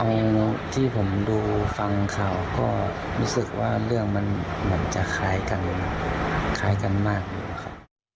เอาที่ผมดูฟังข่าวก็รู้สึกว่าเรื่องมันเหมือนจะคล้ายกันมากดี